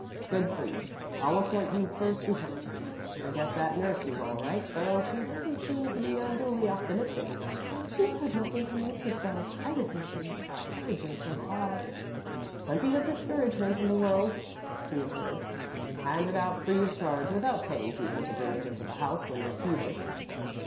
"Good for you. I'll appoint you first lieutenant. I guess that nurse is all right, though she doesn't seem to be unduly optimistic." "She's had nothing to make her so. Everything has been discouraging so far." "Plenty of discouragement in the world," he observed, "handed out free of charge, without paying people to bring it into the house when you're peevish."